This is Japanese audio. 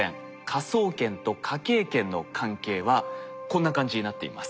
科捜研と科警研の関係はこんな感じになっています。